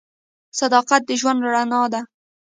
• صداقت د ژوند رڼا ده.